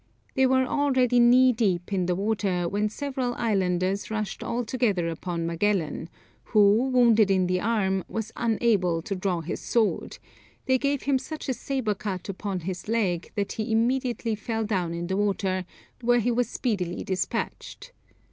They were already knee deep in the water when several islanders rushed all together upon Magellan, who, wounded in the arm, was unable to draw his sword; they gave him such a sabre cut upon his leg that he immediately fell down in the water, where he was speedily despatched.